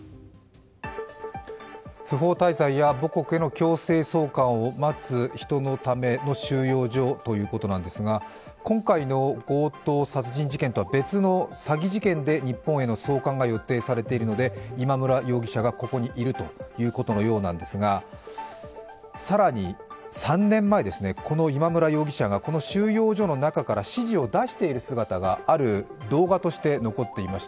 不法滞在や母国への強制送還を待つ人のための収容所ということなんですが、今回の強盗殺人事件とは別の詐欺事件で日本への送還が予定されているので、今村容疑者がここにいるということのようなんですが、更に３年前、この今村容疑者がこの収容所の中から指示を出している姿がある動画として残っていました。